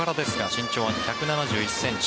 身長は１７１ｃｍ。